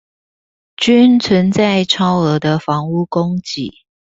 均存在超額的房屋供給